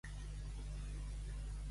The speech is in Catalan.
Amb quina altra divinitat s'ha vinculat?